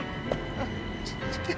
あっ。